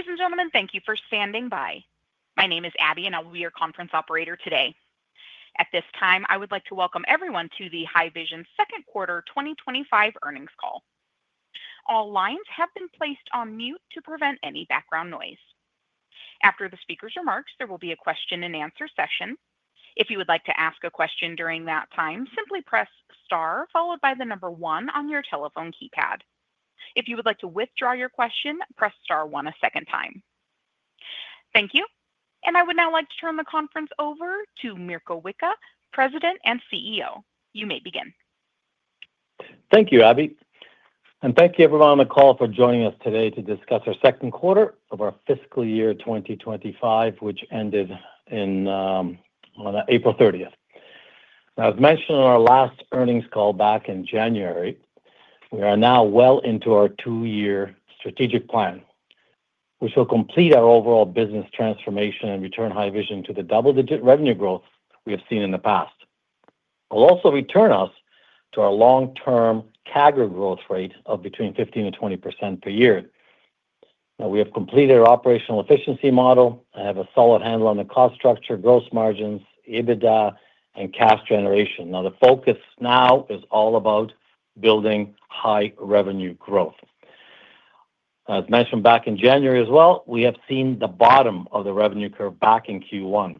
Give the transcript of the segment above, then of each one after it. Ladies and gentlemen, thank you for standing by. My name is Abby, and I'll be your conference operator today. At this time, I would like to welcome everyone to the Haivision Second Quarter 2025 earnings call. All lines have been placed on mute to prevent any background noise. After the speaker's remarks, there will be a question-and-answer session. If you would like to ask a question during that time, simply press star followed by the number one on your telephone keypad. If you would like to withdraw your question, press star one a second time. Thank you. I would now like to turn the conference over to Mirko Wicha, President and CEO. You may begin. Thank you, Abby. Thank you, everyone on the call, for joining us today to discuss our second quarter of our fiscal year 2025, which ended on April 30. As mentioned in our last earnings call back in January, we are now well into our two-year strategic plan, which will complete our overall business transformation and return Haivision to the double-digit revenue growth we have seen in the past. It will also return us to our long-term CAGR growth rate of between 15%-20% per year. Now, we have completed our operational efficiency model. I have a solid handle on the cost structure, gross margins, EBITDA, and cash generation. The focus now is all about building high revenue growth. As mentioned back in January as well, we have seen the bottom of the revenue curve back in Q1.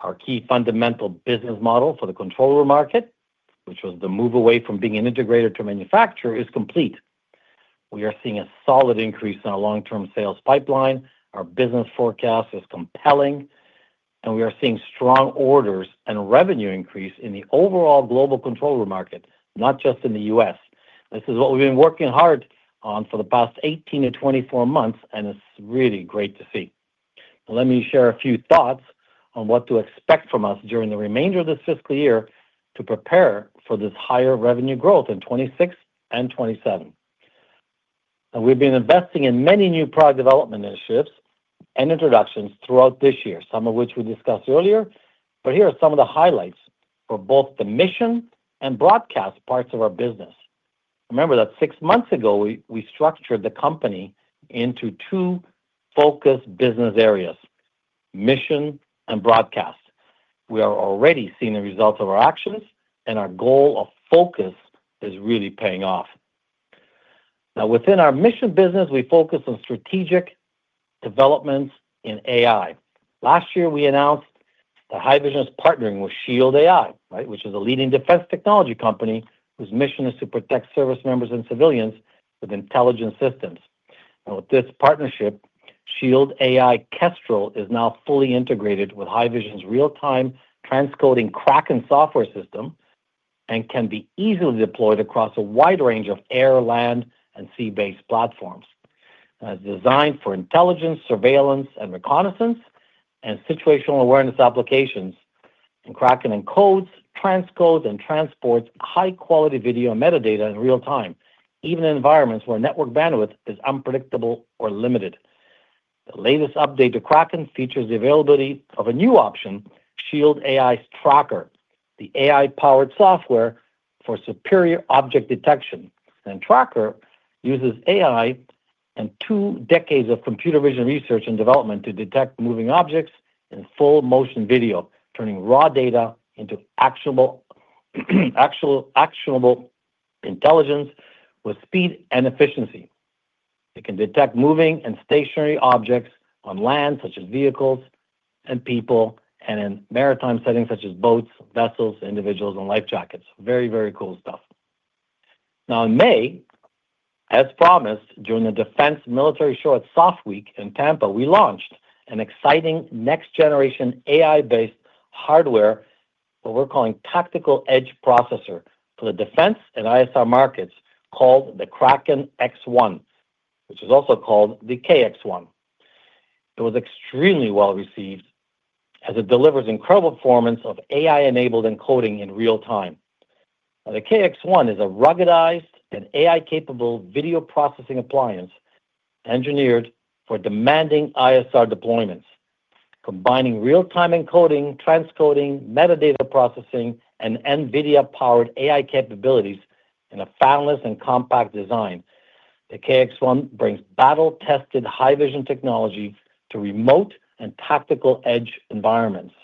Our key fundamental business model for the controller market, which was the move away from being an integrator to a manufacturer, is complete. We are seeing a solid increase in our long-term sales pipeline. Our business forecast is compelling, and we are seeing strong orders and revenue increase in the overall global controller market, not just in the U.S. This is what we've been working hard on for the past 18 to 24 months, and it's really great to see. Let me share a few thoughts on what to expect from us during the remainder of this fiscal year to prepare for this higher revenue growth in 2026 and 2027. We've been investing in many new product development initiatives and introductions throughout this year, some of which we discussed earlier. Here are some of the highlights for both the mission and broadcast parts of our business. Remember that six months ago, we structured the company into two focus business areas: mission and broadcast. We are already seeing the results of our actions, and our goal of focus is really paying off. Now, within our mission business, we focus on strategic developments in AI. Last year, we announced that Haivision is partnering with Shield AI, which is a leading defense technology company whose mission is to protect service members and civilians with intelligence systems. Now, with this partnership, Shield AI Kestrel is now fully integrated with Haivision real-time transcoding Kraken software system and can be easily deployed across a wide range of air, land, and sea-based platforms. It is designed for intelligence, surveillance, and reconnaissance and situational awareness applications, and Kraken encodes, transcodes, and transports high-quality video and metadata in real time, even in environments where network bandwidth is unpredictable or limited. The latest update to Kraken features the availability of a new option, Shield AI's Tracker, the AI-powered software for superior object detection. Tracker uses AI and two decades of computer vision research and development to detect moving objects in full motion video, turning raw data into actionable intelligence with speed and efficiency. It can detect moving and stationary objects on land, such as vehicles and people, and in maritime settings, such as boats, vessels, individuals, and life jackets. Very, very cool stuff. Now, in May, as promised, during the Defense Military Short Soft Week in Tampa, we launched an exciting next-generation AI-based hardware, what we're calling Tactical Edge Processor, for the defense and ISR markets called the Kraken X1, which is also called the KX1. It was extremely well received as it delivers incredible performance of AI-enabled encoding in real time. Now, the KX1 is a ruggedized and AI-capable video processing appliance engineered for demanding ISR deployments, combining real-time encoding, transcoding, metadata processing, and NVIDIA-powered AI capabilities in a fanless and compact design. The KX1 brings battle-tested Haivision technology to remote and tactical edge environments.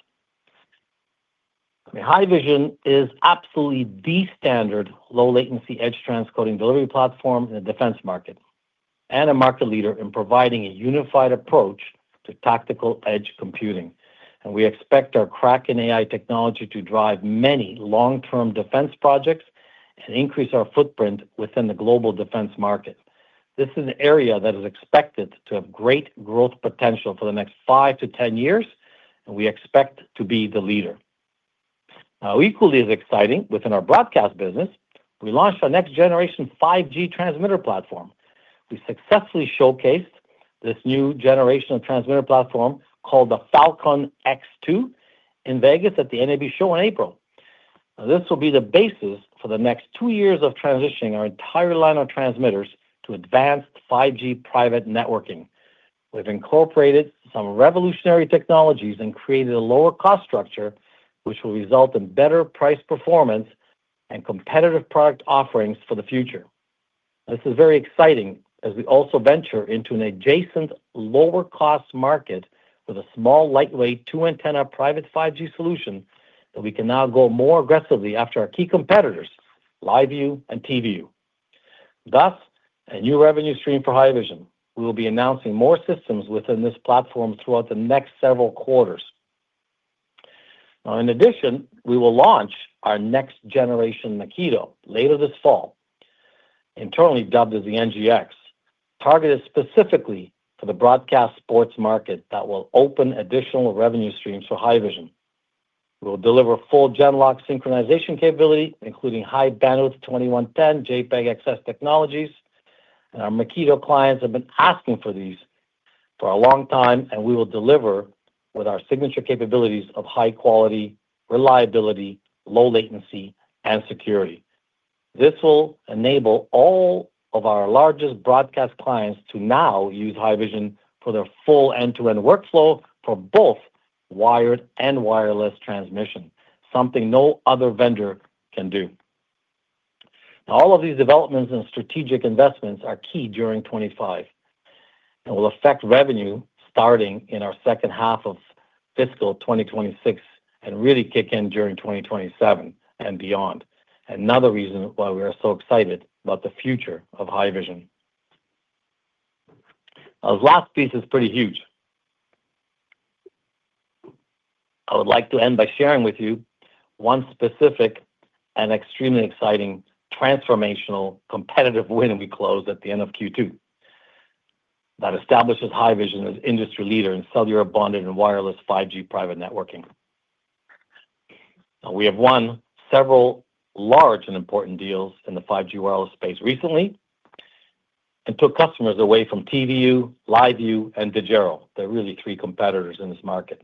Haivision is absolutely the standard low-latency edge transcoding delivery platform in the defense market and a market leader in providing a unified approach to tactical edge computing. We expect our Kraken AI technology to drive many long-term defense projects and increase our footprint within the global defense market. This is an area that is expected to have great growth potential for the next 5 to 10 years, and we expect to be the leader. Equally as exciting, within our broadcast business, we launched our next-generation 5G transmitter platform. We successfully showcased this new generation of transmitter platform called the Falcon X2 in Vegas at the NAB Show in April. Now, this will be the basis for the next two years of transitioning our entire line of transmitters to advanced 5G private networking. We've incorporated some revolutionary technologies and created a lower-cost structure, which will result in better price performance and competitive product offerings for the future. This is very exciting as we also venture into an adjacent lower-cost market with a small, lightweight, two-antenna private 5G solution that we can now go more aggressively after our key competitors, LiveU and TVU. Thus, a new revenue stream for Haivision. We will be announcing more systems within this platform throughout the next several quarters. Now, in addition, we will launch our next-generation Makito later this fall, internally dubbed as the NGX, targeted specifically for the broadcast sports market that will open additional revenue streams for Haivision. We will deliver full Genlock synchronization capability, including high-bandwidth 2110 JPEG XS technologies. Our Makito clients have been asking for these for a long time, and we will deliver with our signature capabilities of high quality, reliability, low latency, and security. This will enable all of our largest broadcast clients to now use Haivision for their full end-to-end workflow for both wired and wireless transmission, something no other vendor can do. All of these developments and strategic investments are key during 2025 and will affect revenue starting in our second half of fiscal 2026 and really kick in during 2027 and beyond. Another reason why we are so excited about the future of Haivision. Now, this last piece is pretty huge. I would like to end by sharing with you one specific and extremely exciting transformational competitive win we closed at the end of Q2 that establishes Haivision as industry leader in cellular, bonded, and wireless 5G private networking. Now, we have won several large and important deals in the 5G wireless space recently and took customers away from TVU, LiveU, and Dejero. There are really three competitors in this market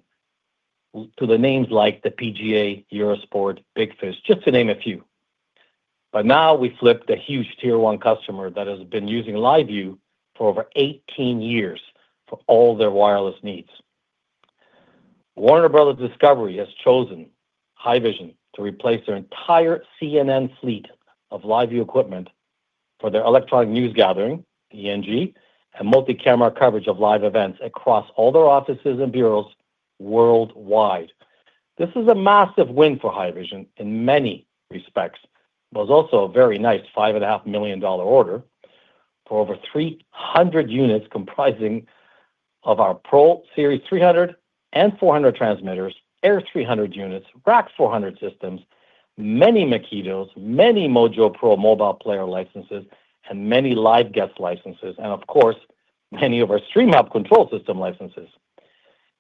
to the names like the PGA, Eurosport, Big Ten, just to name a few. Now we flipped a huge tier-one customer that has been using LiveU for over 18 years for all their wireless needs. Warner Bros. Discovery has chosen Haivision to replace their entire CNN fleet of LiveU equipment for their electronic news gathering, ENG, and multi-camera coverage of live events across all their offices and bureaus worldwide. This is a massive win for Haivision in many respects. It was also a very nice $5.5 million order for over 300 units comprising of our Pro Series 300 and 400 transmitters, Air 300 units, Rack 400 systems, many Makito units, many Mojo Pro mobile player licenses, and many Live Guest licenses, and of course, many of our StreamHub control system licenses.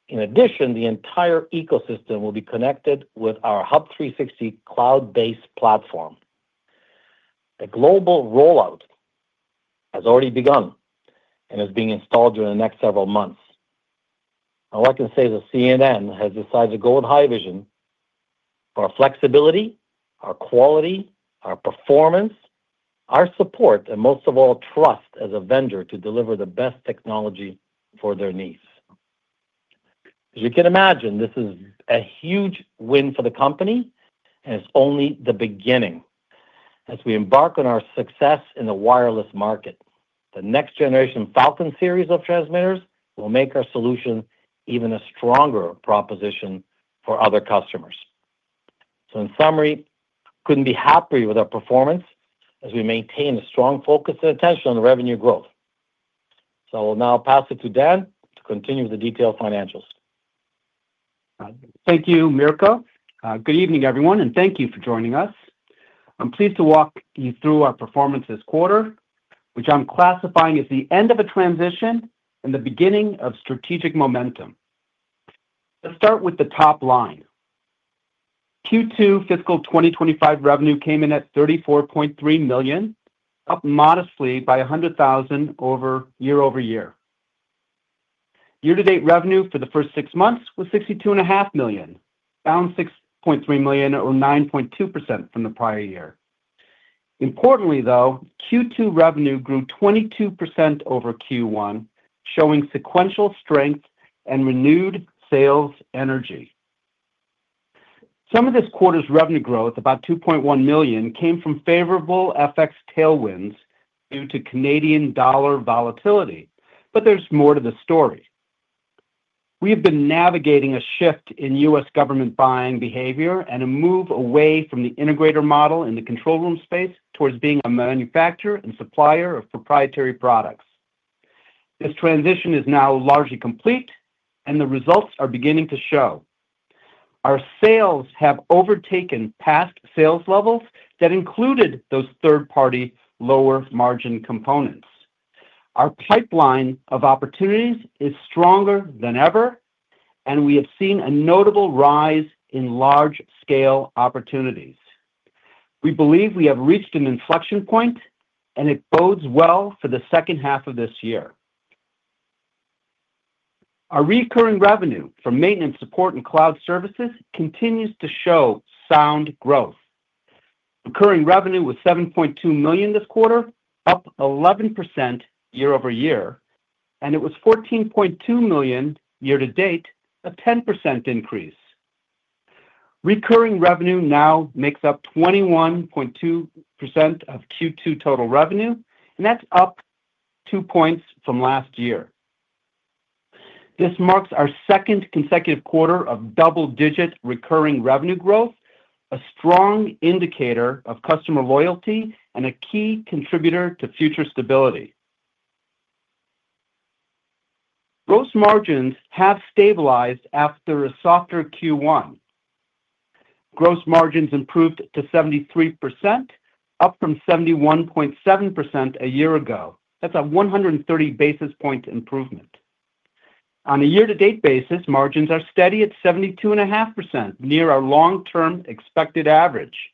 In addition, the entire ecosystem will be connected with our Hub 360 cloud-based platform. The global rollout has already begun and is being installed during the next several months. Now, what I can say is that CNN has decided to go with Haivision for our flexibility, our quality, our performance, our support, and most of all, trust as a vendor to deliver the best technology for their needs. As you can imagine, this is a huge win for the company, and it is only the beginning. As we embark on our success in the wireless market, the next-generation Falcon series of transmitters will make our solution even a stronger proposition for other customers. In summary, I could not be happier with our performance as we maintain a strong focus and attention on revenue growth. I will now pass it to Dan to continue with the detailed financials. Thank you, Mirko. Good evening, everyone, and thank you for joining us. I'm pleased to walk you through our performance this quarter, which I'm classifying as the end of a transition and the beginning of strategic momentum. Let's start with the top line. Q2 fiscal 2025 revenue came in at $34.3 million, up modestly by $100,000 year-over-year. Year-to-date revenue for the first six months was $62.5 million, down $6.3 million, or 9.2% from the prior year. Importantly, though, Q2 revenue grew 22% over Q1, showing sequential strength and renewed sales energy. Some of this quarter's revenue growth, about $2.1 million, came from favorable FX tailwinds due to Canadian dollar volatility. There is more to the story. We have been navigating a shift in U.S. government buying behavior and a move away from the integrator model in the control room space towards being a manufacturer and supplier of proprietary products. This transition is now largely complete, and the results are beginning to show. Our sales have overtaken past sales levels that included those third-party lower-margin components. Our pipeline of opportunities is stronger than ever, and we have seen a notable rise in large-scale opportunities. We believe we have reached an inflection point, and it bodes well for the second half of this year. Our recurring revenue for maintenance, support, and cloud services continues to show sound growth. Recurring revenue was $7.2 million this quarter, up 11% year-over-year, and it was $14.2 million year-to-date, a 10% increase. Recurring revenue now makes up 21.2% of Q2 total revenue, and that's up two points from last year. This marks our second consecutive quarter of double-digit recurring revenue growth, a strong indicator of customer loyalty and a key contributor to future stability. Gross margins have stabilized after a softer Q1. Gross margins improved to 73%, up from 71.7% a year ago. That's a 130 basis point improvement. On a year-to-date basis, margins are steady at 72.5%, near our long-term expected average.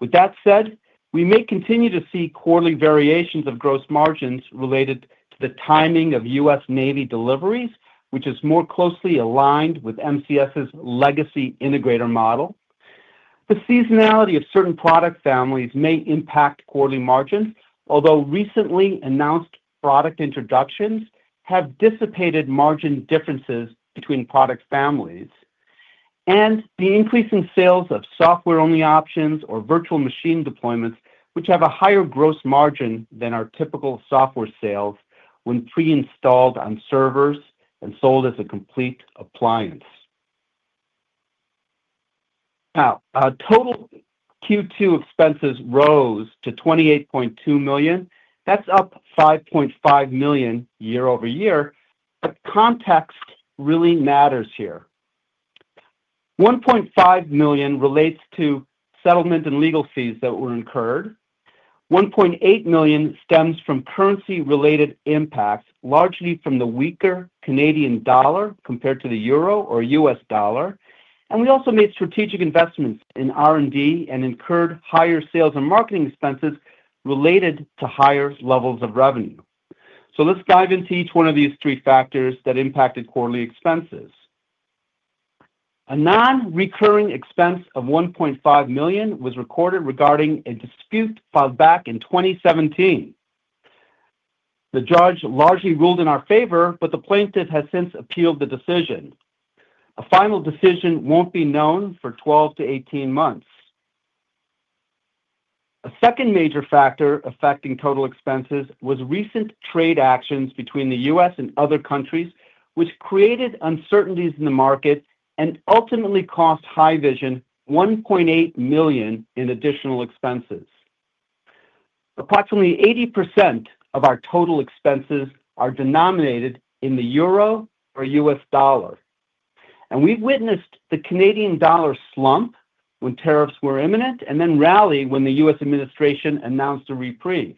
With that said, we may continue to see quarterly variations of gross margins related to the timing of U.S. Navy deliveries, which is more closely aligned with MCS's legacy integrator model. The seasonality of certain product families may impact quarterly margins, although recently announced product introductions have dissipated margin differences between product families. The increase in sales of software-only options or virtual machine deployments, which have a higher gross margin than our typical software sales when pre-installed on servers and sold as a complete appliance. Now, total Q2 expenses rose to 28.2 million. That's up 5.5 million year-over-year, but context really matters here. 1.5 million relates to settlement and legal fees that were incurred. $1.8 million stems from currency-related impacts, largely from the weaker Canadian dollar compared to the euro or US dollar. We also made strategic investments in R&D and incurred higher sales and marketing expenses related to higher levels of revenue. Let's dive into each one of these three factors that impacted quarterly expenses. A non-recurring expense of $1.5 million was recorded regarding a dispute filed back in 2017. The judge largely ruled in our favor, but the plaintiff has since appealed the decision. A final decision will not be known for 12-18 months. A second major factor affecting total expenses was recent trade actions between the U.S. and other countries, which created uncertainties in the market and ultimately cost Haivision $1.8 million in additional expenses. Approximately 80% of our total expenses are denominated in the euro or US dollar. We have witnessed the Canadian dollar slump when tariffs were imminent and then rally when the U.S. administration announced a reprieve.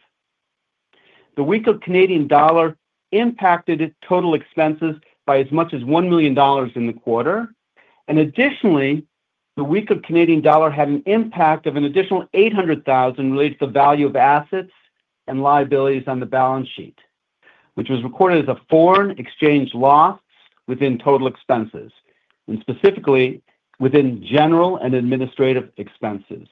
The weaker Canadian dollar impacted total expenses by as much as 1 million dollars in the quarter. Additionally, the weaker Canadian dollar had an impact of an additional 800,000 related to the value of assets and liabilities on the balance sheet, which was recorded as a foreign exchange loss within total expenses, and specifically within general and administrative expenses.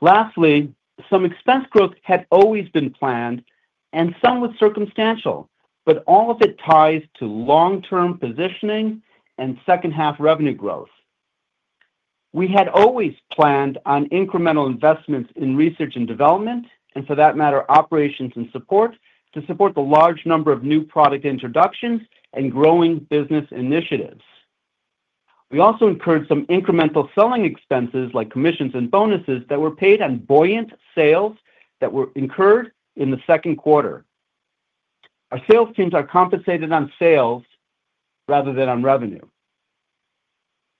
Lastly, some expense growth had always been planned, and some was circumstantial, but all of it ties to long-term positioning and second-half revenue growth. We had always planned on incremental investments in research and development, and for that matter, operations and support to support the large number of new product introductions and growing business initiatives. We also incurred some incremental selling expenses like commissions and bonuses that were paid on buoyant sales that were incurred in the second quarter. Our sales teams are compensated on sales rather than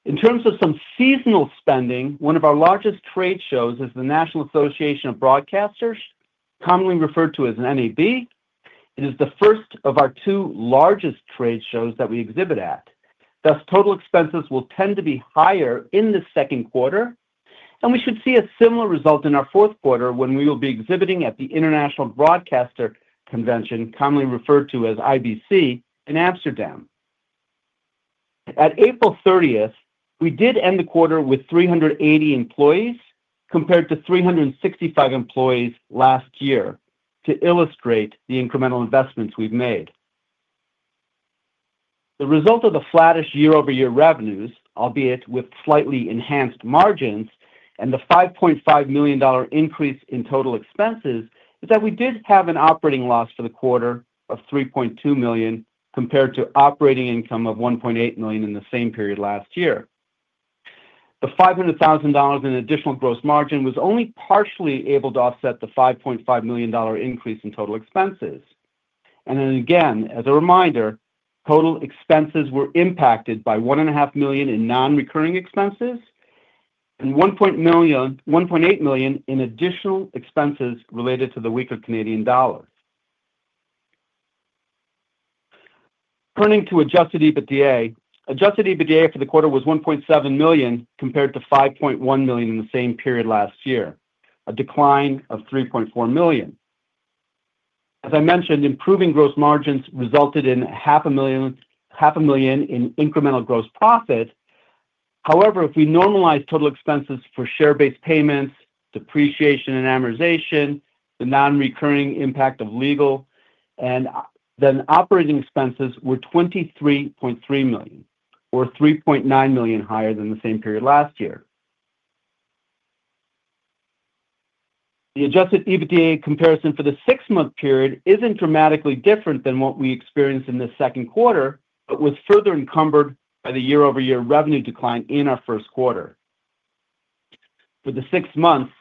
on revenue. In terms of some seasonal spending, one of our largest trade shows is the National Association of Broadcasters, commonly referred to as NAB. It is the first of our two largest trade shows that we exhibit at. Thus, total expenses will tend to be higher in the second quarter, and we should see a similar result in our fourth quarter when we will be exhibiting at the International Broadcasting Convention, commonly referred to as IBC, in Amsterdam. At April 30, we did end the quarter with 380 employees compared to 365 employees last year, to illustrate the incremental investments we have made. The result of the flattish year-over-year revenues, albeit with slightly enhanced margins and the $5.5 million increase in total expenses, is that we did have an operating loss for the quarter of $3.2 million compared to operating income of $1.8 million in the same period last year. The $500,000 in additional gross margin was only partially able to offset the $5.5 million increase in total expenses. As a reminder, total expenses were impacted by $1.5 million in non-recurring expenses and $1.8 million in additional expenses related to the weaker Canadian dollar. Turning to adjusted EBITDA, adjusted EBITDA for the quarter was $1.7 million compared to $5.1 million in the same period last year, a decline of $3.4 million. As I mentioned, improving gross margins resulted in $500,000 in incremental gross profit. However, if we normalize total expenses for share-based payments, depreciation and amortization, the non-recurring impact of legal, and then operating expenses were 23.3 million, or 3.9 million higher than the same period last year. The adjusted EBITDA comparison for the six-month period isn't dramatically different than what we experienced in the second quarter, but was further encumbered by the year-over-year revenue decline in our first quarter. For the six months,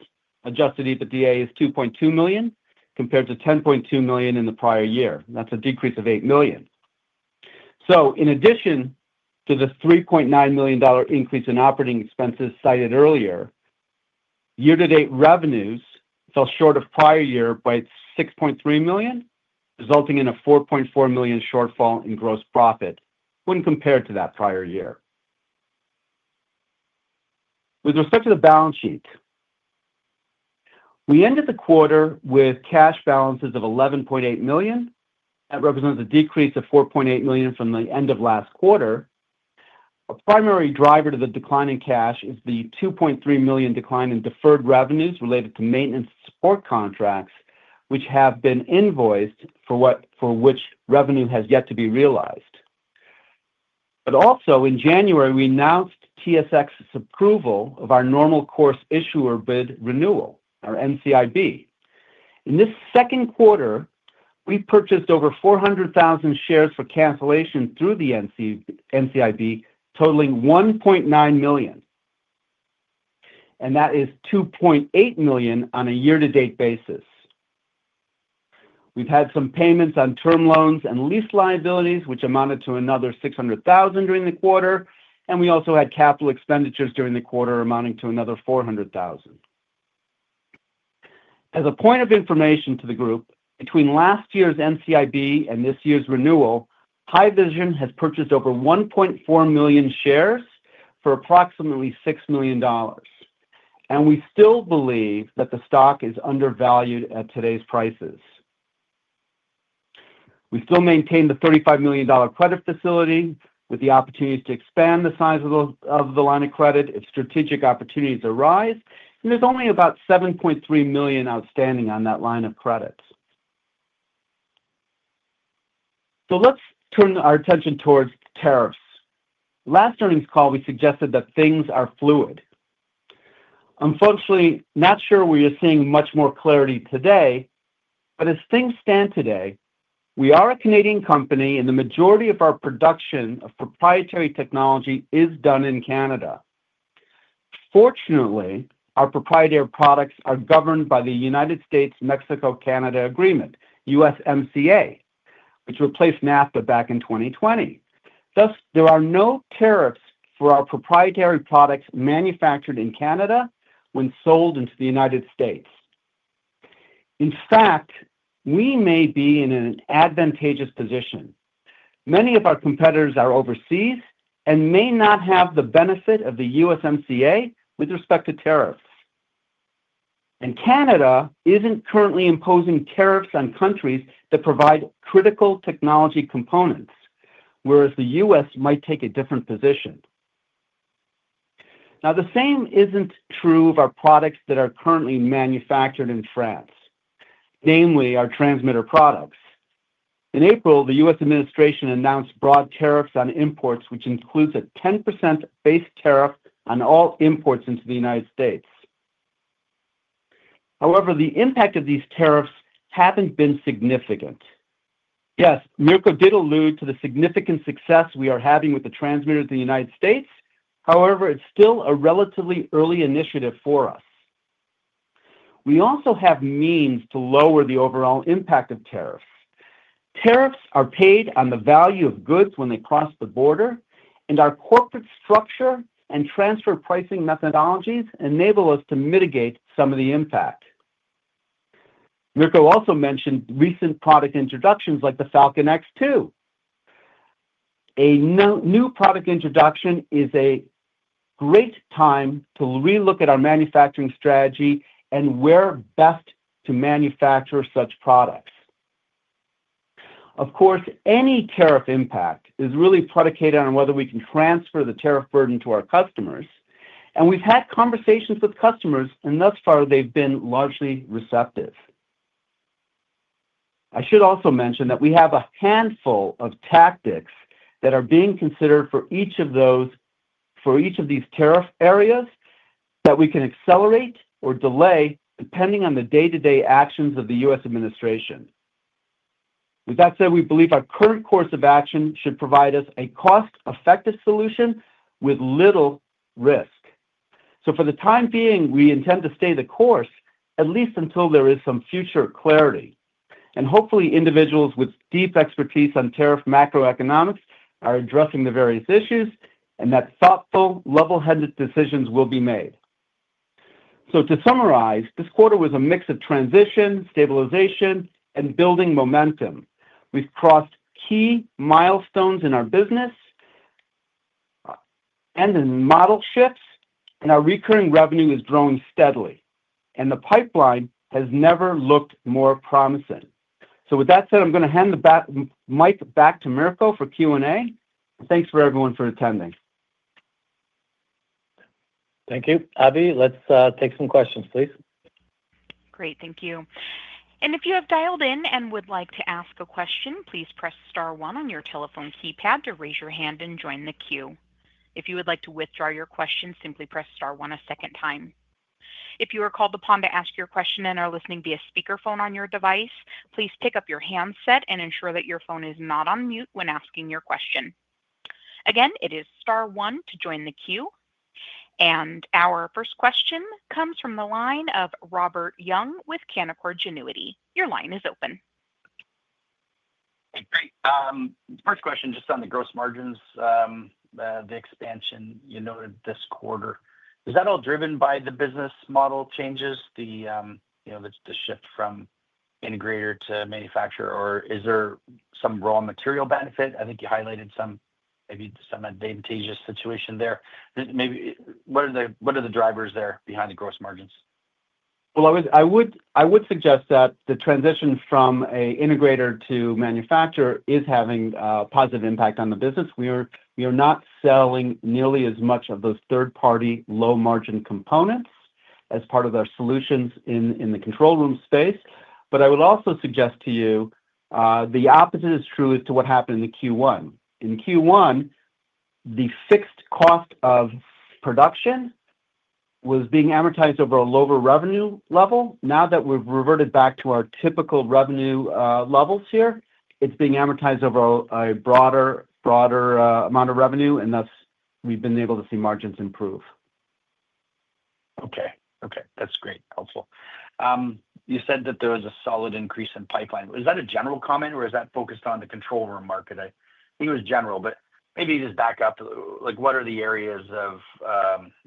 adjusted EBITDA is 2.2 million compared to 10.2 million in the prior year. That's a decrease of 8 million. In addition to the 3.9 million dollar increase in operating expenses cited earlier, year-to-date revenues fell short of prior year by 6.3 million, resulting in a 4.4 million shortfall in gross profit when compared to that prior year. With respect to the balance sheet, we ended the quarter with cash balances of 11.8 million. That represents a decrease of $4.8 million from the end of last quarter. A primary driver to the decline in cash is the $2.3 million decline in deferred revenues related to maintenance support contracts, which have been invoiced for which revenue has yet to be realized. Also, in January, we announced TSX's approval of our normal course issuer bid renewal, our NCIB. In this second quarter, we purchased over 400,000 shares for cancellation through the NCIB, totaling $1.9 million. That is $2.8 million on a year-to-date basis. We've had some payments on term loans and lease liabilities, which amounted to another $600,000 during the quarter. We also had capital expenditures during the quarter amounting to another $400,000. As a point of information to the group, between last year's NCIB and this year's renewal, Haivision has purchased over 1.4 million shares for approximately $6 million. We still believe that the stock is undervalued at today's prices. We still maintain the 35 million dollar credit facility with the opportunities to expand the size of the line of credit if strategic opportunities arise. There is only about 7.3 million outstanding on that line of credit. Let's turn our attention towards tariffs. Last earnings call, we suggested that things are fluid. Unfortunately, not sure we are seeing much more clarity today. As things stand today, we are a Canadian company, and the majority of our production of proprietary technology is done in Canada. Fortunately, our proprietary products are governed by the United States-Mexico-Canada Agreement, USMCA, which replaced NAFTA back in 2020. Thus, there are no tariffs for our proprietary products manufactured in Canada when sold into the United States. In fact, we may be in an advantageous position. Many of our competitors are overseas and may not have the benefit of the USMCA with respect to tariffs. Canada isn't currently imposing tariffs on countries that provide critical technology components, whereas the U.S. might take a different position. Now, the same isn't true of our products that are currently manufactured in France, namely our transmitter products. In April, the U.S. administration announced broad tariffs on imports, which includes a 10% base tariff on all imports into the United States. However, the impact of these tariffs hasn't been significant. Yes, Mirko did allude to the significant success we are having with the transmitters in the United States. However, it's still a relatively early initiative for us. We also have means to lower the overall impact of tariffs. Tariffs are paid on the value of goods when they cross the border, and our corporate structure and transfer pricing methodologies enable us to mitigate some of the impact. Mirko also mentioned recent product introductions like the Falcon X2. A new product introduction is a great time to relook at our manufacturing strategy and where best to manufacture such products. Of course, any tariff impact is really predicated on whether we can transfer the tariff burden to our customers. We've had conversations with customers, and thus far, they've been largely receptive. I should also mention that we have a handful of tactics that are being considered for each of these tariff areas that we can accelerate or delay depending on the day-to-day actions of the U.S. administration. With that said, we believe our current course of action should provide us a cost-effective solution with little risk. For the time being, we intend to stay the course, at least until there is some future clarity. Hopefully, individuals with deep expertise on tariff macroeconomics are addressing the various issues, and that thoughtful, level-headed decisions will be made. To summarize, this quarter was a mix of transition, stabilization, and building momentum. We have crossed key milestones in our business and in model shifts, and our recurring revenue is growing steadily. The pipeline has never looked more promising. With that said, I am going to hand the mic back to Mirko for Q&A. Thanks to everyone for attending. Thank you. Abby, let's take some questions, please. Great Thank you. If you have dialed in and would like to ask a question, please press star one on your telephone keypad to raise your hand and join the queue. If you would like to withdraw your question, simply press star one a second time. If you are called upon to ask your question and are listening via speakerphone on your device, please pick up your handset and ensure that your phone is not on mute when asking your question. Again, it is star one to join the queue. Our first question comes from the line of Robert Young with Canaccord Genuity. Your line is open. Great. First question, just on the gross margins, the expansion you noted this quarter. Is that all driven by the business model changes, the shift from integrator to manufacturer, or is there some raw material benefit? I think you highlighted some, maybe some advantageous situation there. Maybe what are the drivers there behind the gross margins? I would suggest that the transition from an integrator to manufacturer is having a positive impact on the business. We are not selling nearly as much of those third-party low-margin components as part of our solutions in the control room space. I would also suggest to you the opposite is true to what happened in Q1. In Q1, the fixed cost of production was being amortized over a lower revenue level. Now that we've reverted back to our typical revenue levels here, it's being amortized over a broader amount of revenue, and thus we've been able to see margins improve. Okay. Okay. That's great. Helpful. You said that there was a solid increase in pipeline. Was that a general comment, or is that focused on the control room market? I think it was general, but maybe just back up. What are the areas of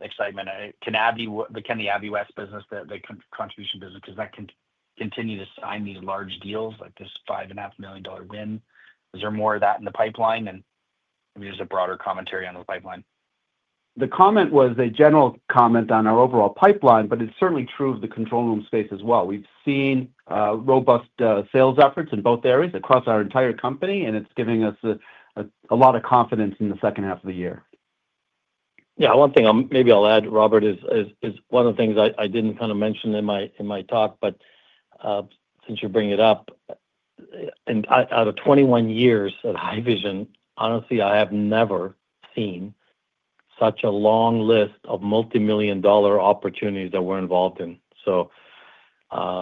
excitement? Can the Haivision West business, the contribution business, does that continue to sign these large deals, like this $5.5 million win? Is there more of that in the pipeline, and maybe there's a broader commentary on the pipeline? The comment was a general comment on our overall pipeline, but it's certainly true of the control room space as well. We've seen robust sales efforts in both areas across our entire company, and it's giving us a lot of confidence in the second half of the year. Yeah. One thing maybe I'll add, Robert, is one of the things I didn't kind of mention in my talk, but since you're bringing it up, out of 21 years at Haivision, honestly, I have never seen such a long list of multimillion-dollar opportunities that we're involved in,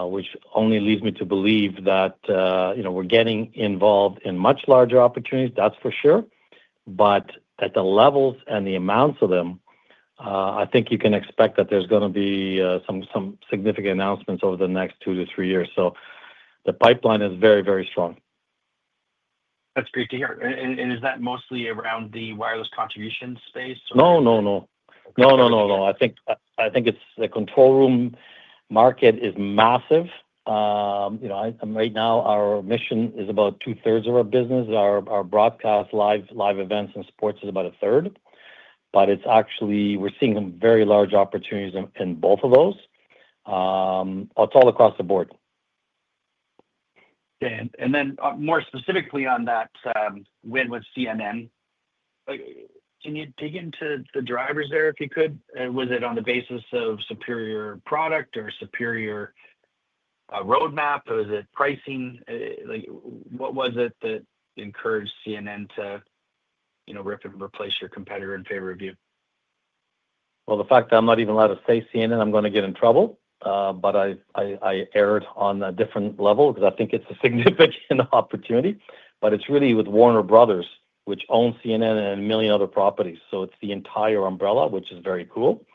which only leads me to believe that we're getting involved in much larger opportunities, that's for sure. At the levels and the amounts of them, I think you can expect that there's going to be some significant announcements over the next two to three years. The pipeline is very, very strong. That's great to hear. Is that mostly around the wireless contribution space? No, no, no. No, no, no, no. I think the control room market is massive. Right now, our mission is about two-thirds of our business. Our broadcast, live events, and sports is about a third. But we're seeing some very large opportunities in both of those, all across the board. And then more specifically on that win with CNN, can you dig into the drivers there if you could? Was it on the basis of superior product or superior roadmap, or was it pricing? What was it that encouraged CNN to rip and replace your competitor in favor of you? The fact that I'm not even allowed to say CNN, I'm going to get in trouble. But I erred on a different level because I think it's a significant opportunity. It's really with Warner Bros. Discovery, which owns CNN and a million other properties. It's the entire umbrella, which is very cool.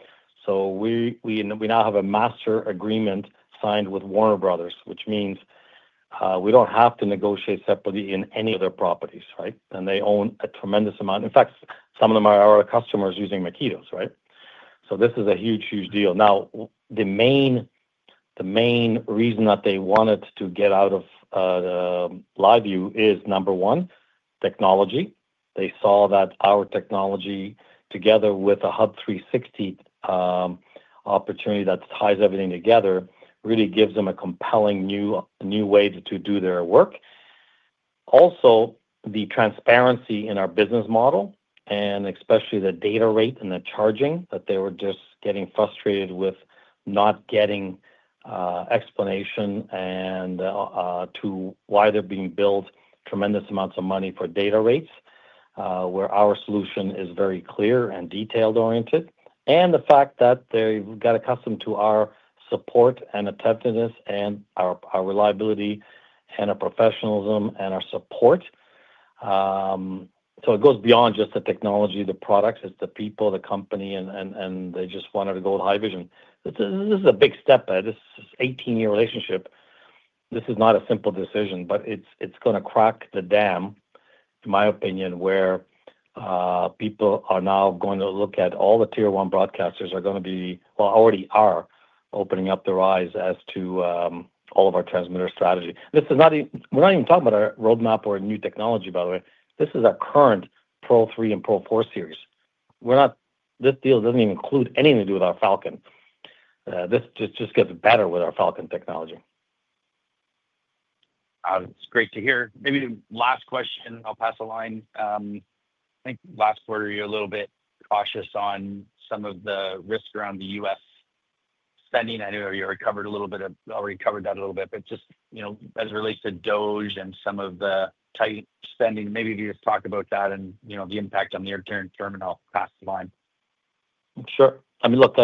We now have a master agreement signed with Warner Bros. Discovery, which means we don't have to negotiate separately in any of their properties, right? They own a tremendous amount. In fact, some of them are our customers using Makitos, right? This is a huge, huge deal. The main reason that they wanted to get out of LiveU is, number one, technology. They saw that our technology, together with a Hub 360 opportunity that ties everything together, really gives them a compelling new way to do their work. Also, the transparency in our business model, and especially the data rate and the charging that they were just getting frustrated with not getting explanation to why they're being billed tremendous amounts of money for data rates, where our solution is very clear and detail-oriented. The fact that they've got accustomed to our support and attentiveness and our reliability and our professionalism and our support. It goes beyond just the technology, the products. It's the people, the company, and they just wanted to go with Haivision. This is a big step. This is an 18-year relationship. This is not a simple decision, but it's going to crack the dam, in my opinion, where people are now going to look at all the tier-one broadcasters are going to be, well, already are opening up their eyes as to all of our transmitter strategy. We're not even talking about our roadmap or new technology, by the way. This is our current Pro Series 300 and Pro Series 400. This deal doesn't even include anything to do with our Falcon. This just gets better with our Falcon technology. It's great to hear. Maybe last question. I'll pass the line. I think last quarter, you're a little bit cautious on some of the risk around the U.S. spending. I know you already covered that a little bit, but just as it relates to DOGE and some of the tight spending, maybe if you just talk about that and the impact on the interim terminal cost line. Sure. I mean, look,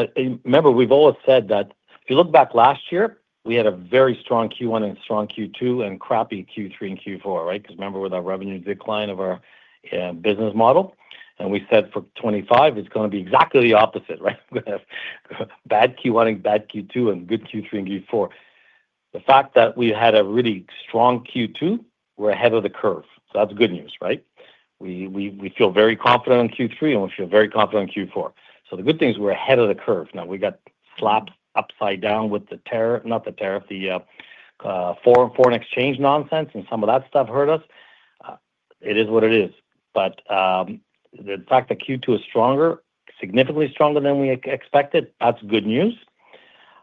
remember, we've always said that if you look back last year, we had a very strong Q1 and a strong Q2 and crappy Q3 and Q4, right? Because remember, with our revenue decline of our business model, and we said for 2025, it's going to be exactly the opposite, right? We're going to have bad Q1 and bad Q2 and good Q3 and Q4. The fact that we had a really strong Q2, we're ahead of the curve. That's good news, right? We feel very confident on Q3, and we feel very confident on Q4. The good thing is we're ahead of the curve. Now, we got slapped upside down with the tariff, not the tariff, the foreign exchange nonsense, and some of that stuff hurt us. It is what it is. The fact that Q2 is stronger, significantly stronger than we expected, that's good news.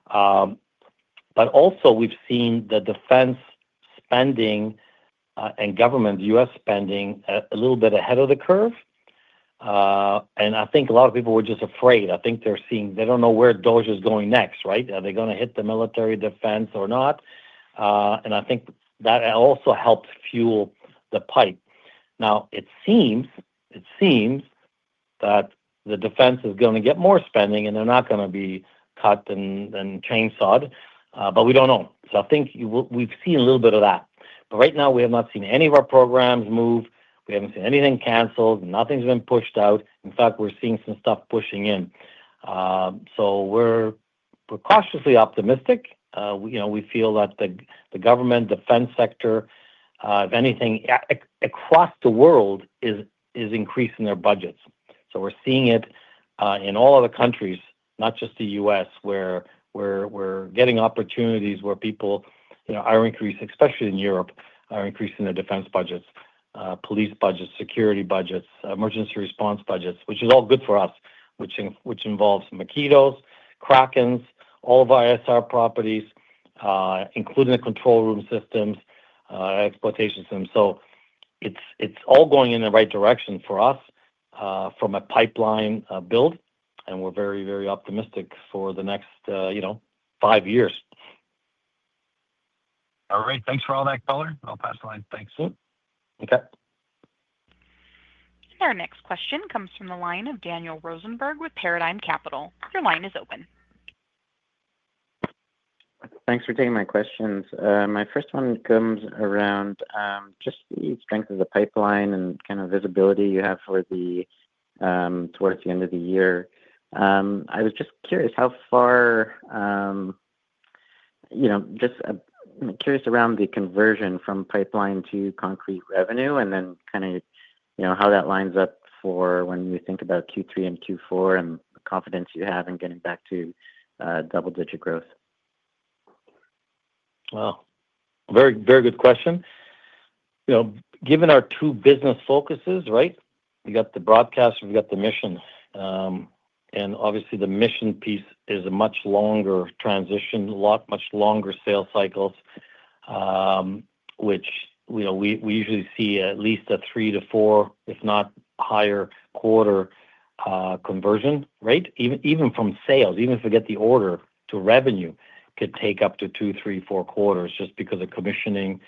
Also, we've seen the defense spending and government, U.S. spending, a little bit ahead of the curve. I think a lot of people were just afraid. I think they're seeing they don't know where DOD is going next, right? Are they going to hit the military defense or not? I think that also helped fuel the pipe. Now, it seems that the defense is going to get more spending, and they're not going to be cut and chainsawed, but we don't know. I think we've seen a little bit of that. Right now, we have not seen any of our programs move. We have not seen anything canceled. Nothing has been pushed out. In fact, we are seeing some stuff pushing in. We are cautiously optimistic. We feel that the government, defense sector, if anything, across the world, is increasing their budgets. We are seeing it in all of the countries, not just the U.S., where we are getting opportunities where people are increasing, especially in Europe, are increasing their defense budgets, police budgets, security budgets, emergency response budgets, which is all good for us, which involves Makitos, Krakens, all of our ISR properties, including the control room systems, exploitation systems. It is all going in the right direction for us from a pipeline build, and we are very, very optimistic for the next five years. All right. Thanks for all that, Colin. I will pass the line. Thanks. Okay. Our next question comes from the line of Daniel Rosenberg with Paradigm Capital. Your line is open. Thanks for taking my questions. My first one comes around just the strength of the pipeline and kind of visibility you have towards the end of the year. I was just curious how far, just curious around the conversion from pipeline to concrete revenue and then kind of how that lines up for when you think about Q3 and Q4 and the confidence you have in getting back to double-digit growth. Wow. Very good question. Given our two business focuses, right, we got the broadcast, and we got the mission. Obviously, the mission piece is a much longer transition, a lot much longer sales cycles, which we usually see at least a three to four, if not higher, quarter conversion rate. Even from sales, even if we get the order to revenue, it could take up to two, three, four quarters just because of commissioning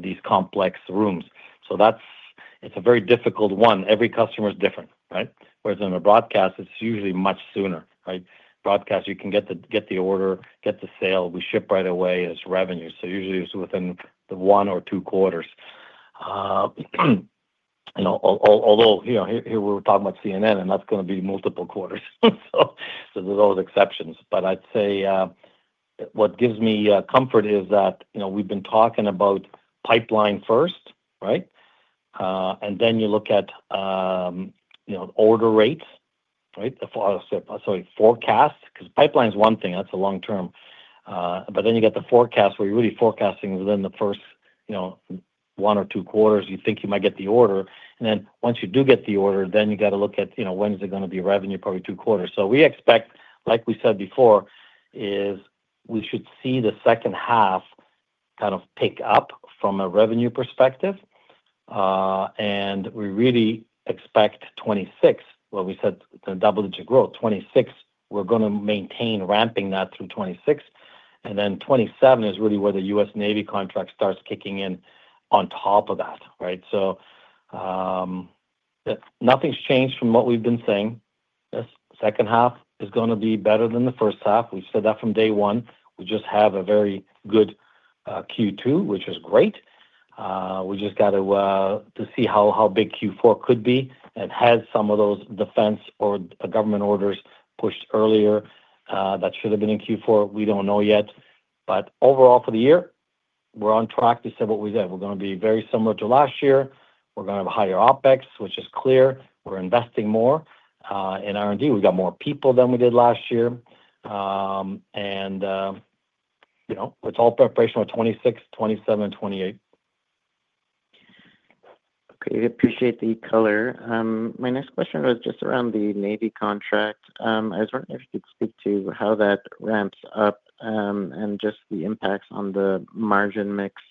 these complex rooms. It is a very difficult one. Every customer is different, right? Whereas in a broadcast, it is usually much sooner, right? Broadcast, you can get the order, get the sale, we ship right away as revenue. Usually, it is within the one or two quarters. Although here we are talking about CNN, and that is going to be multiple quarters. There are always exceptions. I would say what gives me comfort is that we have been talking about pipeline first, right? Then you look at order rates, right? Sorry, forecast, because pipeline is one thing. That's a long term. But then you get the forecast where you're really forecasting within the first one or two quarters, you think you might get the order. And then once you do get the order, then you got to look at when is it going to be revenue, probably two quarters. We expect, like we said before, is we should see the second half kind of pick up from a revenue perspective. We really expect 2026, what we said, the double-digit growth, 2026, we're going to maintain ramping that through 2026. 2027 is really where the U.S. Navy contract starts kicking in on top of that, right? Nothing's changed from what we've been saying. This second half is going to be better than the first half. We've said that from day one. We just have a very good Q2, which is great. We just got to see how big Q4 could be. Has some of those defense or government orders pushed earlier that should have been in Q4? We do not know yet. Overall, for the year, we are on track to say what we said. We are going to be very similar to last year. We are going to have higher OpEx, which is clear. We are investing more in R&D. We have more people than we did last year. It is all preparation for 2026, 2027, and 2028. Okay. I appreciate the color. My next question was just around the Navy contract. I was wondering if you could speak to how that ramps up and just the impacts on the margin mix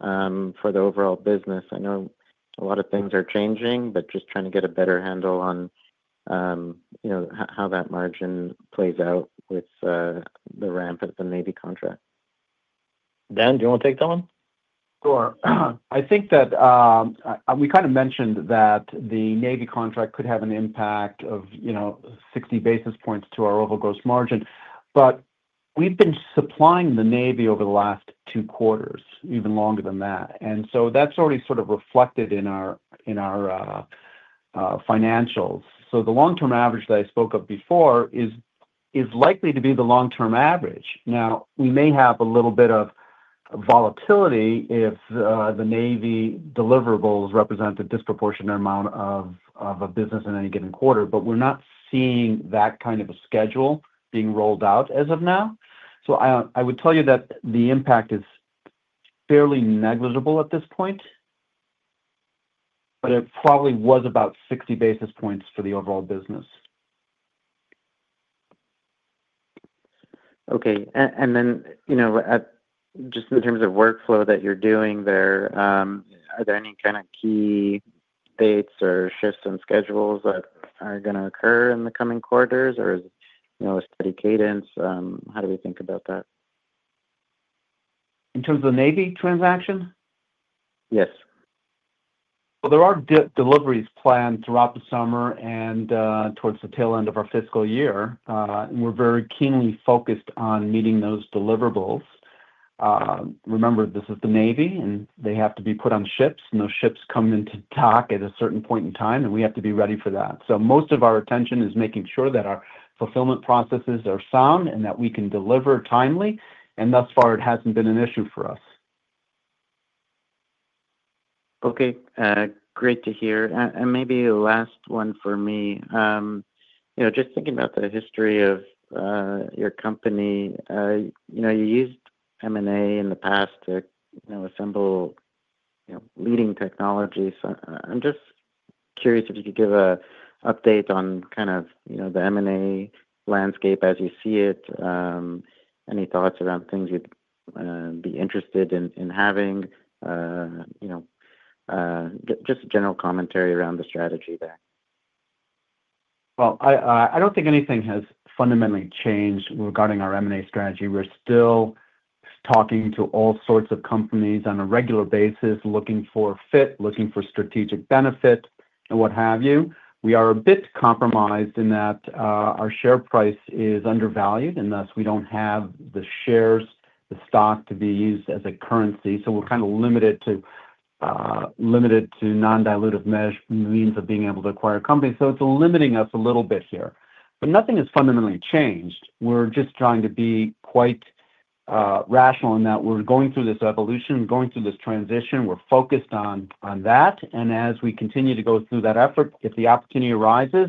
for the overall business. I know a lot of things are changing, but just trying to get a better handle on how that margin plays out with the ramp at the Navy contract. Dan, do you want to take that one? Sure. I think that we kind of mentioned that the Navy contract could have an impact of 60 basis points to our overall gross margin. But we've been supplying the Navy over the last two quarters, even longer than that. And so that's already sort of reflected in our financials. So the long-term average that I spoke of before is likely to be the long-term average. Now, we may have a little bit of volatility if the Navy deliverables represent a disproportionate amount of a business in any given quarter, but we're not seeing that kind of a schedule being rolled out as of now. I would tell you that the impact is fairly negligible at this point, but it probably was about 60 basis points for the overall business. Okay. And then just in terms of workflow that you're doing there, are there any kind of key dates or shifts in schedules that are going to occur in the coming quarters, or is it a steady cadence? How do we think about that? In terms of the Navy transaction? Yes. There are deliveries planned throughout the summer and towards the tail end of our fiscal year. We are very keenly focused on meeting those deliverables. Remember, this is the Navy, and they have to be put on ships. Those ships come into dock at a certain point in time, and we have to be ready for that. Most of our attention is making sure that our fulfillment processes are sound and that we can deliver timely. Thus far, it has not been an issue for us. Okay. Great to hear. Maybe a last one for me. Just thinking about the history of your company, you used M&A in the past to assemble leading technologies. I am just curious if you could give an update on kind of the M&A landscape as you see it, any thoughts around things you would be interested in having, just general commentary around the strategy there. I do not think anything has fundamentally changed regarding our M&A strategy. We are still talking to all sorts of companies on a regular basis, looking for fit, looking for strategic benefit, and what have you. We are a bit compromised in that our share price is undervalued, and thus we do not have the shares, the stock to be used as a currency. We are kind of limited to non-dilutive means of being able to acquire companies. It is limiting us a little bit here. Nothing has fundamentally changed. We are just trying to be quite rational in that we are going through this evolution, going through this transition. We are focused on that. As we continue to go through that effort, if the opportunity arises,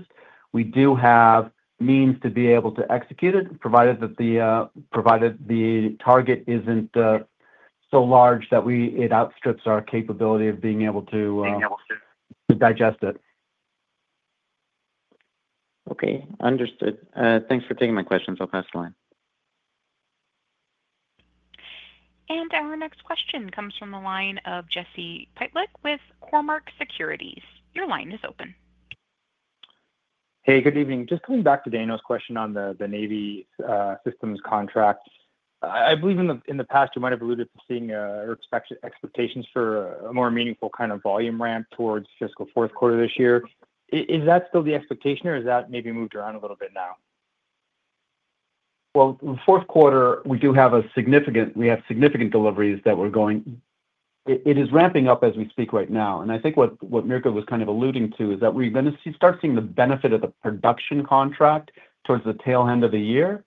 we do have means to be able to execute it, provided that the target is not so large that it outstrips our capability of being able to digest it. Okay. Understood. Thanks for taking my questions. I will pass the line. Our next question comes from the line of Jesse Pallett with Cormark Securities. Your line is open. Hey, good evening. Just coming back to Daniel's question on the Navy systems contract. I believe in the past, you might have alluded to seeing expectations for a more meaningful kind of volume ramp towards fiscal fourth quarter this year. Is that still the expectation, or has that maybe moved around a little bit now? Fourth quarter, we do have significant deliveries that we're going it is ramping up as we speak right now. I think what Mirko was kind of alluding to is that we're going to start seeing the benefit of the production contract towards the tail end of the year.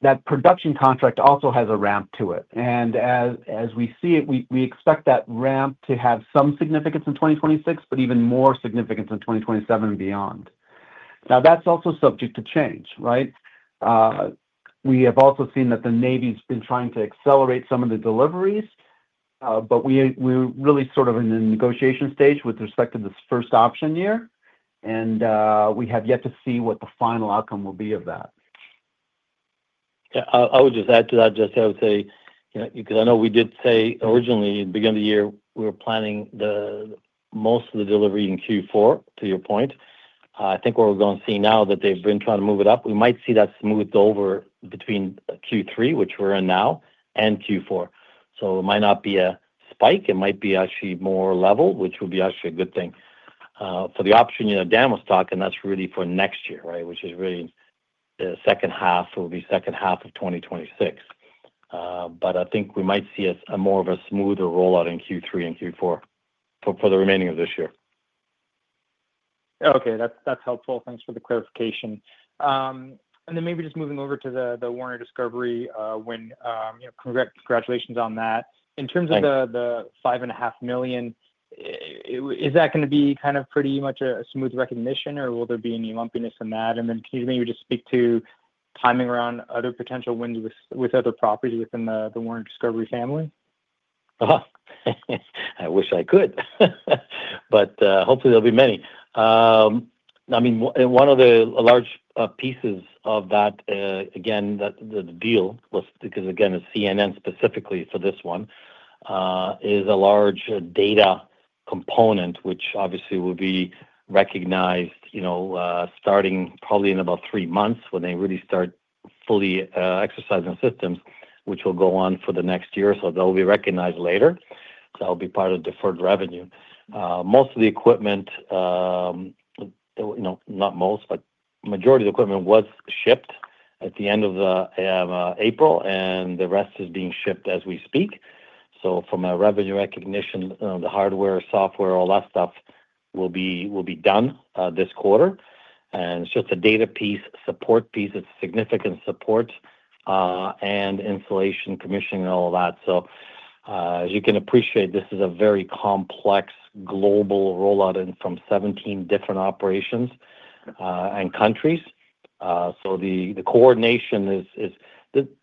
That production contract also has a ramp to it. As we see it, we expect that ramp to have some significance in 2026, but even more significance in 2027 and beyond. Now, that's also subject to change, right? We have also seen that the Navy's been trying to accelerate some of the deliveries, but we're really sort of in the negotiation stage with respect to this first option year. We have yet to see what the final outcome will be of that. Yeah, I would just add to that, Jesse, I would say, because I know we did say originally at the beginning of the year, we were planning most of the delivery in Q4, to your point. I think what we're going to see now is that they've been trying to move it up. We might see that smoothed over between Q3, which we're in now, and Q4. It might not be a spike. It might be actually more level, which would be actually a good thing. For the option, Dan was talking, that's really for next year, right, which is really the second half will be second half of 2026. I think we might see more of a smoother rollout in Q3 and Q4 for the remaining of this year. Okay. That's helpful. Thanks for the clarification. Maybe just moving over to the Warner Bros. Discovery win. Congratulations on that. In terms of the $5.5 million, is that going to be kind of pretty much a smooth recognition, or will there be any lumpiness in that? Can you maybe just speak to timing around other potential wins with other properties within the Warner Bros. Discovery family? I wish I could. Hopefully, there'll be many. I mean, one of the large pieces of that, again, the deal was because, again, CNN specifically for this one is a large data component, which obviously will be recognized starting probably in about three months when they really start fully exercising systems, which will go on for the next year. They will be recognized later. That will be part of deferred revenue. Most of the equipment, not most, but the majority of the equipment was shipped at the end of April, and the rest is being shipped as we speak. From a revenue recognition, the hardware, software, all that stuff will be done this quarter. It is just a data piece, support piece. It is significant support and installation, commissioning, and all that. As you can appreciate, this is a very complex global rollout from 17 different operations and countries. The coordination is,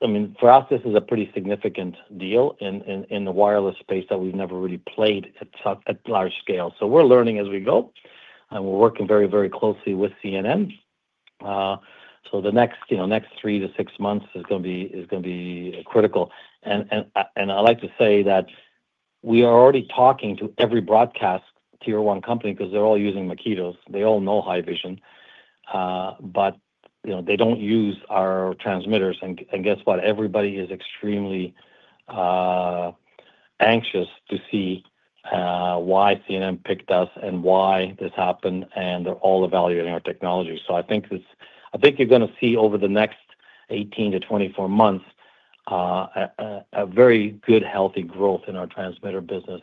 I mean, for us, this is a pretty significant deal in the wireless space that we've never really played at large scale. We are learning as we go, and we are working very, very closely with CNN. The next three to six months is going to be critical. I like to say that we are already talking to every broadcast tier one company because they are all using Makitos. They all know Haivision, but they do not use our transmitters. Guess what? Everybody is extremely anxious to see why CNN picked us and why this happened. They are all evaluating our technology. I think you are going to see over the next 18-24 months a very good, healthy growth in our transmitter business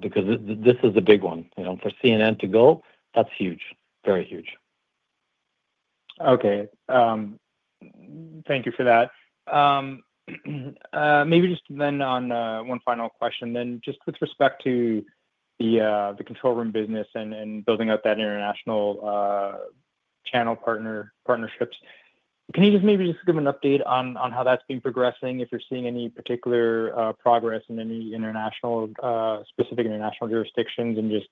because this is the big one. For CNN to go, that is huge, very huge. Okay. Thank you for that. Maybe just then on one final question, then just with respect to the control room business and building out that international channel partnerships, can you just maybe give an update on how that's been progressing, if you're seeing any particular progress in any specific international jurisdictions, and just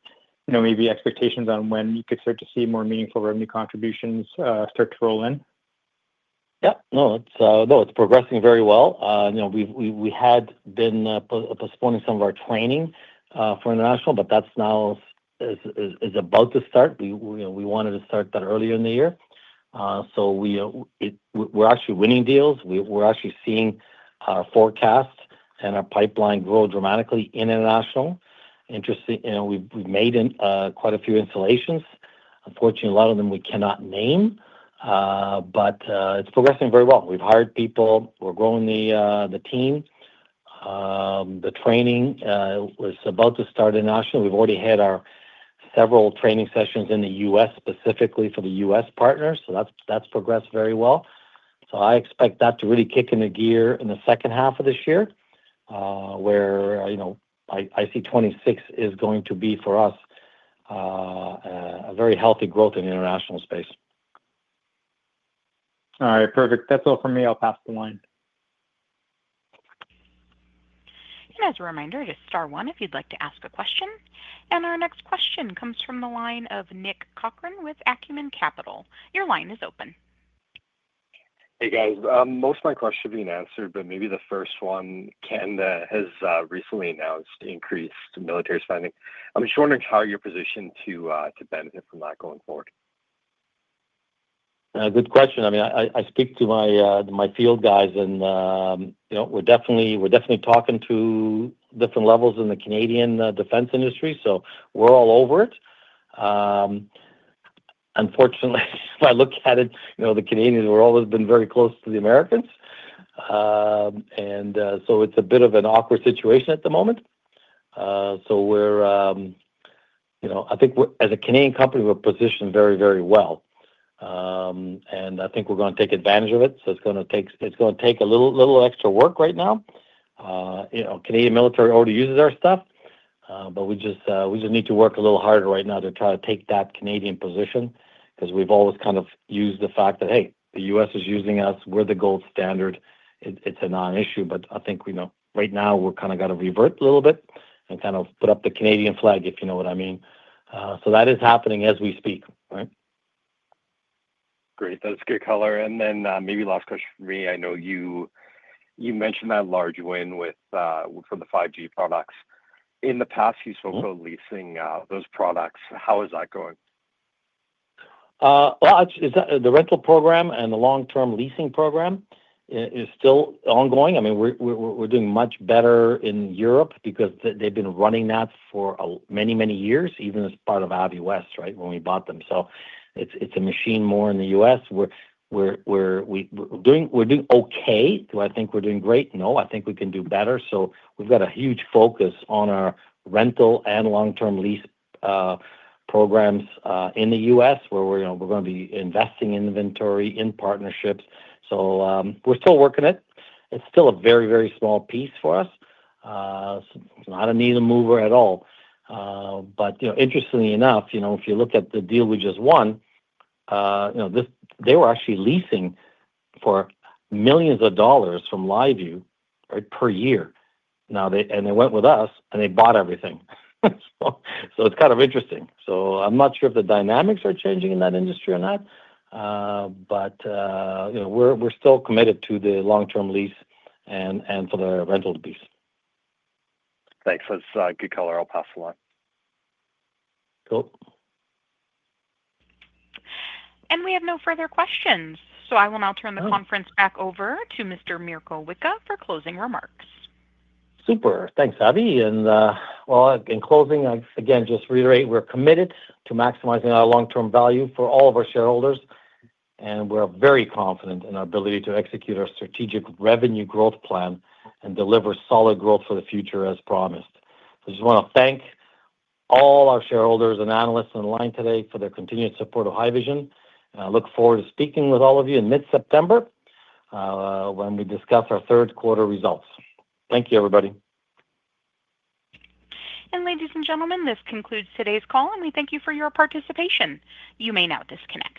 maybe expectations on when you could start to see more meaningful revenue contributions start to roll in? Yeah. No, it's progressing very well. We had been postponing some of our training for international, but that now is about to start. We wanted to start that earlier in the year. We're actually winning deals. We're actually seeing our forecast and our pipeline grow dramatically in international. We've made quite a few installations. Unfortunately, a lot of them we cannot name, but it's progressing very well. We've hired people. We're growing the team. The training was about to start in international. We've already had several training sessions in the U.S. specifically for the U.S. partners. That's progressed very well. I expect that to really kick into gear in the second half of this year where I see 2026 is going to be for us a very healthy growth in the international space. All right. Perfect. That's all from me. I'll pass the line. As a reminder, just star one if you'd like to ask a question. Our next question comes from the line of Nick Cochrane with Acumen Capital. Your line is open. Hey, guys. Most of my questions are being answered, but maybe the first one, Canada has recently announced increased military spending. I'm just wondering how you're positioned to benefit from that going forward. Good question. I mean, I speak to my field guys, and we're definitely talking to different levels in the Canadian defense industry. We're all over it. Unfortunately, if I look at it, the Canadians have always been very close to the Americans. It's a bit of an awkward situation at the moment. I think as a Canadian company, we're positioned very, very well. I think we're going to take advantage of it. It's going to take a little extra work right now. Canadian military already uses our stuff, but we just need to work a little harder right now to try to take that Canadian position because we've always kind of used the fact that, hey, the U.S. is using us. We're the gold standard. It's a non-issue. I think right now, we've kind of got to revert a little bit and kind of put up the Canadian flag, if you know what I mean. That is happening as we speak, right? Great. That's good color. Maybe last question for me. I know you mentioned that large win for the 5G products. In the past, you spoke about leasing those products. How is that going? The rental program and the long-term leasing program is still ongoing. I mean, we're doing much better in Europe because they've been running that for many, many years, even as part of Abu West, right, when we bought them. It's a machine more in the U.S. We're doing okay. Do I think we're doing great? No. I think we can do better. We have a huge focus on our rental and long-term lease programs in the U.S. where we're going to be investing in inventory in partnerships. We're still working it. It's still a very, very small piece for us. It's not a needle mover at all. Interestingly enough, if you look at the deal we just won, they were actually leasing for millions of dollars from LiveU per year. They went with us, and they bought everything. It's kind of interesting. I'm not sure if the dynamics are changing in that industry or not, but we're still committed to the long-term lease and the rental piece. Thanks. That's good color. I'll pass the line. Cool. We have no further questions. I will now turn the conference back over to Mr. Mirko Wicha for closing remarks. Super. Thanks, Abby. In closing, again, just reiterate, we're committed to maximizing our long-term value for all of our shareholders, and we're very confident in our ability to execute our strategic revenue growth plan and deliver solid growth for the future as promised. I just want to thank all our shareholders and analysts on the line today for their continued support of Haivision. I look forward to speaking with all of you in mid-September when we discuss our third quarter results. Thank you, everybody. Ladies and gentlemen, this concludes today's call, and we thank you for your participation. You may now disconnect.